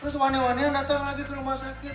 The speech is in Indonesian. terus gani ganian datang lagi ke rumah sakit